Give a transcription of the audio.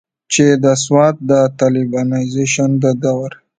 چې د سوات د طالبانائزيشن د دور